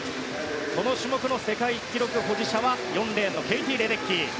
この種目の世界記録保持者はケイティ・レデッキー。